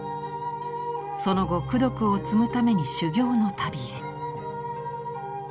その後功徳を積むために修行の旅へ。